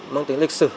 mang tiếng lịch sử